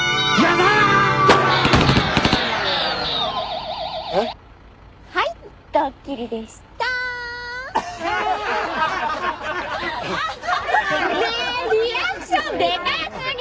ねえリアクションでかすぎ！